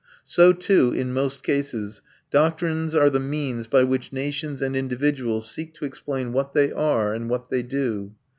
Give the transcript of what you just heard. So, too, in most cases, doctrines are the means by which nations and individuals seek to explain what they are and what they do.